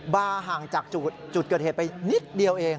ห่างจากจุดเกิดเหตุไปนิดเดียวเอง